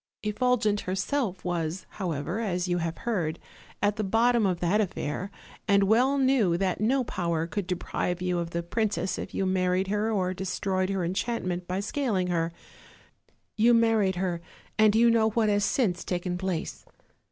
Effulgent herself was, OLD, OLD FAIRY TALES. 315 however, as you have heard, at the bottom of that affair, and well knew that no power could deprive you of the prin cess if you married her or destroyed her enchantment by scaling her. You married her, and yon know what has since taken place.